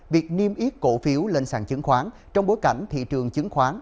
việc niêm yết cổ phiếu lên sàn chứng khoán trong bối cảnh thị trường chứng khoán